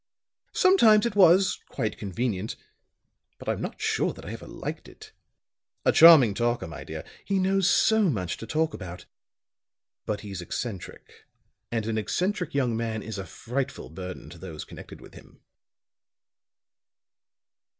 Sometimes it was quite convenient, but I'm not sure that I ever liked it. A charming talker, my dear; he knows so much to talk about. But he's eccentric; and an eccentric young man is a frightful burden to those connected with him."